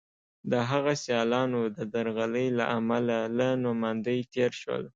د هغه سیالانو د درغلۍ له امله له نوماندۍ تېر شول.